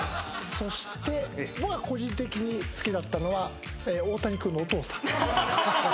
そして僕が個人的に好きだったのは大谷君のお父さん。